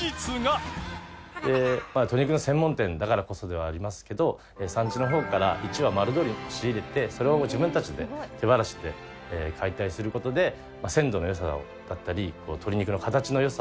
鶏肉の専門店だからこそではありますけど産地の方から一羽丸鶏仕入れてそれを自分たちで手ばらしで解体する事で鮮度の良さだったり鶏肉の形の良さを。